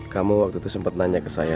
kamu waktu itu sempat nanya ke saya